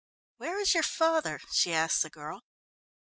"Where is your father?" she asked the girl.